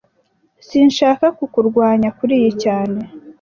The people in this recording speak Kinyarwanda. Sinshaka kukurwanya kuriyi cyane